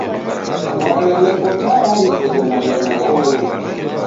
Bwana neko tayari kughendanya na oho.